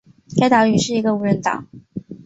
该岛屿是一个无人岛。